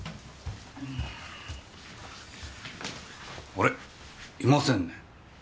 あれっ？いませんね。